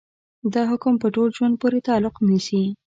دا حکم په ټول ژوند پورې تعلق نيسي.